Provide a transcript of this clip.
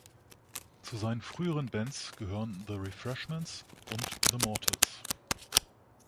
Zu seinen früheren Bands gehören The Refreshments und The Mortals.